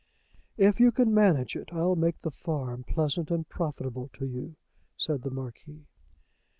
"If you can manage it, I'll make the farm pleasant and profitable to you," said the Marquis.